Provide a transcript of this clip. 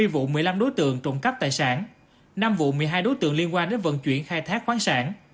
hai mươi vụ một mươi năm đối tượng trộm cắp tài sản năm vụ một mươi hai đối tượng liên quan đến vận chuyển khai thác khoáng sản